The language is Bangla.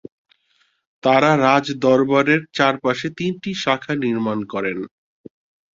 তারা রাজদরবারের চারপাশে তিনটি শাখা নির্মাণ করেন।